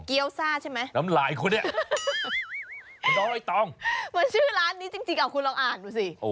เกี๊ยวซ่าใช่ไหมน้ำลายคุณเนี้ยมันชื่อร้านนี้จริงจริงอ้าวคุณลองอ่านดูสิโอ้